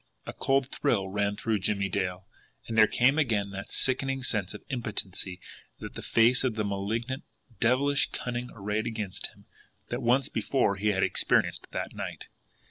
A cold thrill ran through Jimmie Dale; and there came again that sickening sense of impotency in the face of the malignant, devilish cunning arrayed against him, that once before he had experienced, that night.